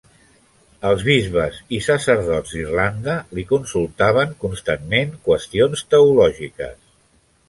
Els bisbes i sacerdots d'Irlanda li consultaven constantment qüestions teològiques.